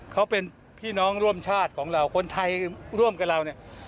เขาเป็นพี่น้องร่วมชาติของเราคนไทยร่วมกับเราเนี่ย